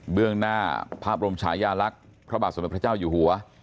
เรื่องหน้าพระบรมชายาลักษณ์พระบาทสมเด็จพระเจ้าอยู่หัว